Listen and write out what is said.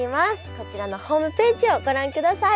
こちらのホームページをご覧ください。